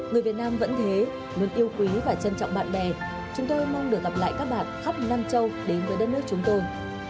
người việt nam vẫn thế luôn yêu quý và trân trọng bạn bè chúng tôi mong được gặp lại các bạn khắp nam châu đến với đất nước chúng tôi